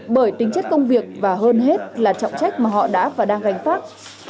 bởi tính chất công việc và hơn hết là trọng trách mà họ đã và đang gánh phát